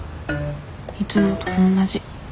いつもと同じ。